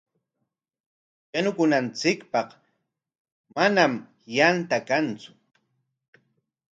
Yanukunanchikpaq manami yanta kantsu.